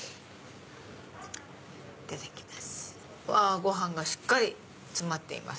ご飯がしっかり詰まっています。